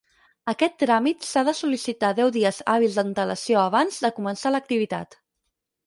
Aquest tràmit s'ha de sol·licitar deu dies hàbils d'antelació abans de començar l'activitat.